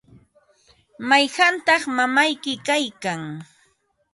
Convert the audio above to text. ¿mayqantaq mamayki kaykan?